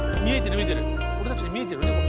見えてる見えてる。